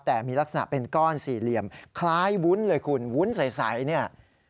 แต่มีลักษณะเป็นก้อนสี่เหลี่ยมคล้ายวุ้นเลยคุณวุ้นใสเนี่ย